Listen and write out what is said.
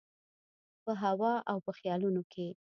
په هوا او په خیالونو کي